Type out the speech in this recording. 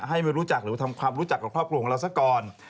ไม่รู้จักหรือทำความรู้จักกับครอบครัวของเราซะก่อน